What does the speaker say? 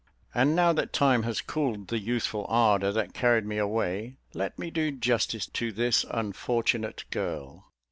And now that time has cooled the youthful ardour that carried me away let me do justice to this unfortunate girl.